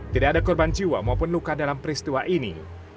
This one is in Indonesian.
tidak ada korban jiwa maupun luka dalam peristiwa ini